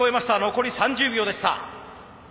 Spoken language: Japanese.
残り３０秒でした。